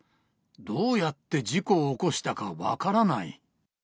どうやって事故を起こしたか分からない。